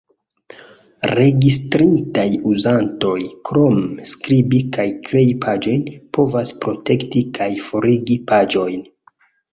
Registritaj uzantoj, krom skribi kaj krei paĝojn, povas protekti kaj forigi paĝojn.